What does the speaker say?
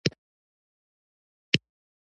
څنګه کولی شم د اروپا شینګن ویزه ترلاسه کړم